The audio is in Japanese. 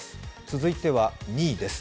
続いては２位です。